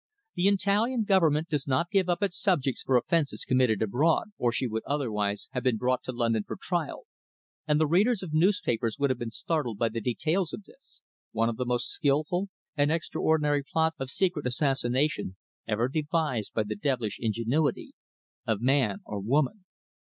The Italian Government does not give up its subjects for offences committed abroad, or she would otherwise have been brought to London for trial, and the readers of newspapers would have been startled by the details of this, one of the most skilful and extraordinary plots of secret assassination ever devised by the devilish ingenuity of man or woman.